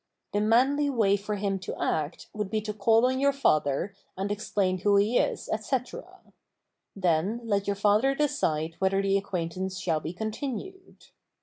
The manly way for him to act would be to call on your father and explain who he is, etc. Then let your father decide whether the acquaintance shall be continued.